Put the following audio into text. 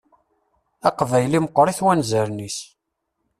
Aqbayli meqqeṛ-it wanzaren-is.